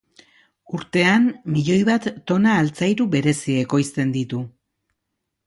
Urtean milioi bat tona altzairu berezi ekoizten ditu.